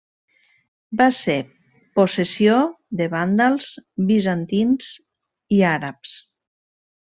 Va ser possessió de vàndals, bizantins i àrabs.